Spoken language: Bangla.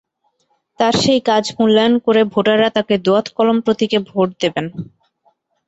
তাঁর সেই কাজ মূল্যায়ন করে ভোটাররা তাঁকে দোয়াত-কলম প্রতীকে ভোট দেবেন।